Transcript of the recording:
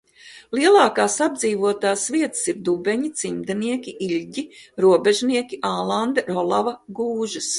Lielākās apdzīvotās vietas ir Dubeņi, Cimdenieki, Iļģi, Robežnieki, Ālande, Rolava, Gūžas.